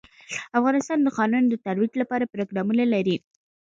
افغانستان د ښارونو د ترویج لپاره پروګرامونه لري.